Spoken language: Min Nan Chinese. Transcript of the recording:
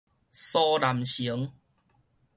蘇南成